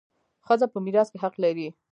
ښځه په میراث کي حق لري.